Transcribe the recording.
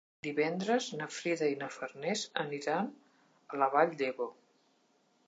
Divendres na Frida i na Farners aniran a la Vall d'Ebo.